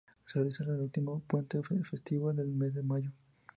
Se realiza el último puente festivo del mes de mayo.